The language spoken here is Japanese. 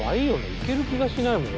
行ける気がしないもん